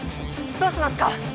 どうしますか！？